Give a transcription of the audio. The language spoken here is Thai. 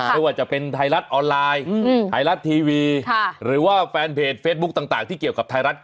ไม่ว่าจะเป็นไทยรัฐออนไลน์ไทยรัฐทีวีหรือว่าแฟนเพจเฟซบุ๊คต่างที่เกี่ยวกับไทยรัฐ